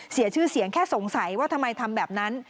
เสียชื่อเสียงแค่สงสัยว่าทำไมทำแบบนั้น